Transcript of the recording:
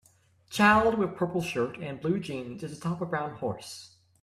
Child with purple shirt and blue jeans is atop a brown horse